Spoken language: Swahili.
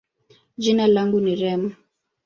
jina langu ni Reem.